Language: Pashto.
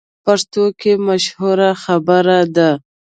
پښتو کې مشهوره خبره ده: